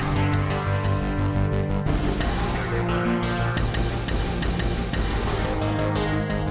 นี่ครับ